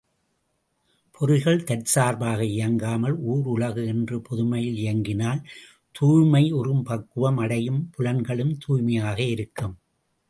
பொறிகள் தற்சார்பாக இயங்காமல் ஊர் உலகு என்று பொதுமையில் இயங்கினால் தூய்மையுறும் பக்குவம் அடையும் புலன்களும் தூய்மையாக இருக்கும்.